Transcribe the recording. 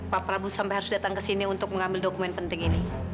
pak prabowo sampai harus datang ke sini untuk mengambil dokumen penting ini